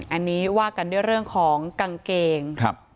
อันนี้ว่ากันด้วยเรื่องของกางเกงครับ